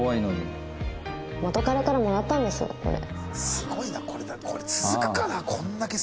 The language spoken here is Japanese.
すごいなこれ。